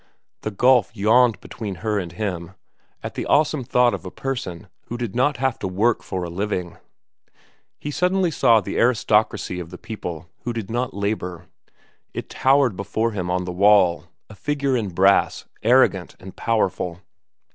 The gulf yawned between her and him at the awesome thought of a person who did not have to work for a living. He suddenly saw the aristocracy of the people who did not labor. It towered before him on the wall, a figure in brass, arrogant and powerful.